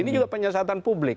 ini juga penyelesaian publik